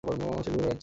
সে ঘুরে বেরাচ্ছে।